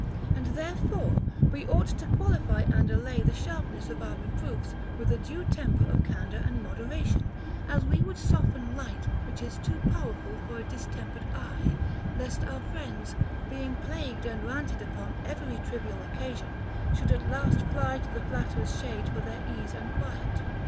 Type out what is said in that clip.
And therefore we ought to qualify and allay the sharpness of our reproofs with a due temper of candor and moderation, — as we would soften light which is too powerful for a distempered eye, — lest our friends, being plagued and ranted upon every trivial occasion, should at last fly to the flatterer's shade for their ease and quiet.